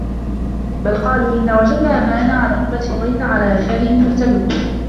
بَل قالوا إِنّا وَجَدنا آباءَنا عَلى أُمَّةٍ وَإِنّا عَلى آثارِهِم مُهتَدونَ